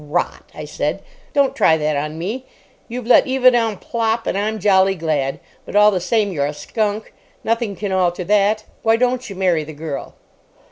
"Rot!" I said. "Don't try that on me. You've let Eva down plop, and I'm jolly glad; but all the same you're a skunk. Nothing can alter that. Why don't you marry the girl?"